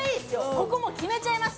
ここもう決めちゃいます？